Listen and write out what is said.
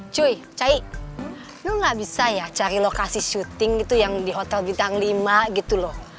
cuy cai lo nggak bisa ya cari lokasi syuting gitu yang di hotel bintang lima gitu loh